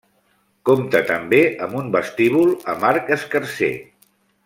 Compta també amb un vestíbul amb arc escarser.